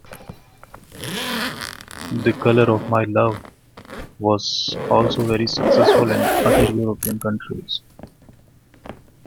"The Colour of My Love" was also very successful in other European countries.